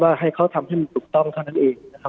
ให้เขาทำให้มันถูกต้องเท่านั้นเองนะครับ